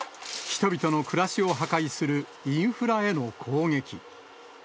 人々の暮らしを破壊するインフラへの攻撃。